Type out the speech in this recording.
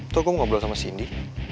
tuh aku mau ngobrol sama sindi